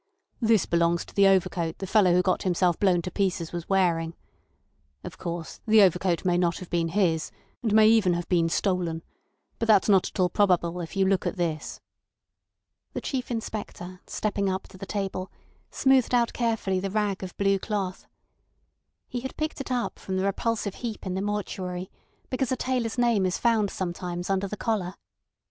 "This belongs to the overcoat the fellow who got himself blown to pieces was wearing. Of course, the overcoat may not have been his, and may even have been stolen. But that's not at all probable if you look at this." The Chief Inspector, stepping up to the table, smoothed out carefully the rag of blue cloth. He had picked it up from the repulsive heap in the mortuary, because a tailor's name is found sometimes under the collar.